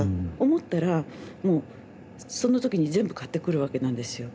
思ったらもうその時に全部買ってくるわけなんですよ。